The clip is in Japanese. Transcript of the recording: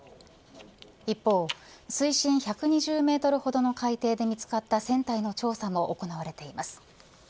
一方、水深１２０メートルほどの海底で見つかった船体の調査も行われています。